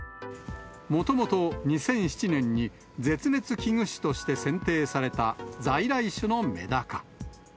もともと２００７年に、絶滅危惧種として選定された在来種のメダカ。